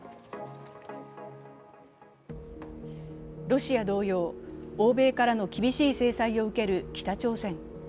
ロシア同様、欧米からの厳しい制裁を受ける北朝鮮。